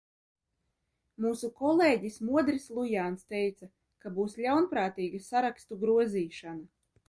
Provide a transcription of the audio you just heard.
Mūsu kolēģis Modris Lujāns teica, ka būs ļaunprātīga sarakstu grozīšana.